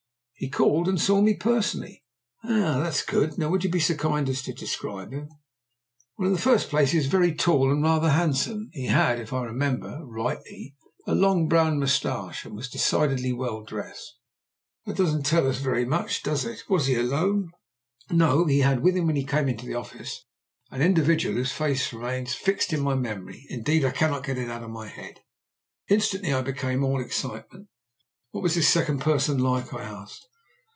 "He called and saw me personally." "Ah! That is good. Now would you be so kind as to describe him?" "Well, in the first place, he was very tall and rather handsome; he had, if I remember rightly, a long brown moustache, and was decidedly well dressed." "That doesn't tell us very much, does it? Was he alone?" "No. He had with him, when he came into the office, an individual whose face remains fixed in my memory indeed I cannot get it out of my head." Instantly I became all excitement. "What was this second person like?" I asked.